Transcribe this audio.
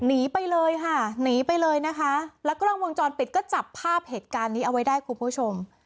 หนีไปเลยค่ะหนีไปเลยนะคะแล้วก็กล้องวงจรปิดก็จับภาพเหตุการณ์นี้เอาไว้ได้คุณผู้ชม